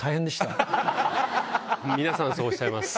皆さんそうおっしゃいます。